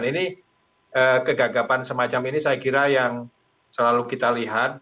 ini kegagapan semacam ini saya kira yang selalu kita lihat